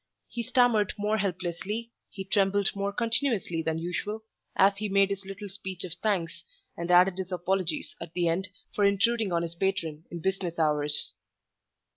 He stammered more helplessly, he trembled more continuously than usual, as he made his little speech of thanks, and added his apologies at the end for intruding on his patron in business hours.